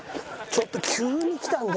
ちょっと急にきたんで。